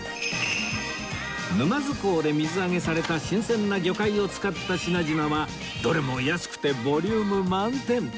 沼津港で水揚げされた新鮮な魚介を使った品々はどれも安くてボリューム満点！